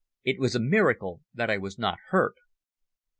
It was a miracle that I was not hurt.